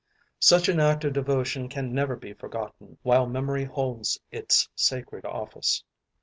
Such an act of devotion can never be forgotten while memory holds its sacred office.